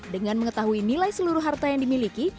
dengan mengetahui nilai seluruh harta yang dimiliki